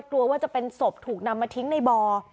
กลัวว่าจะเป็นศพถูกนำมาทิ้งในบ่อ